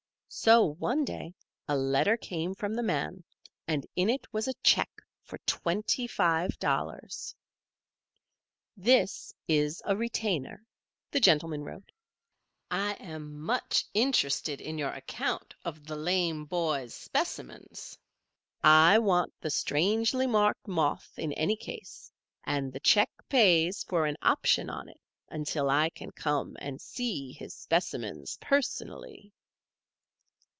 So, one day, a letter came from the man and in it was a check for twenty five dollars. "This is a retainer," the gentleman wrote. "I am much interested in your account of the lame boy's specimens. I want the strangely marked moth in any case, and the check pays for an option on it until I can come and see his specimens personally."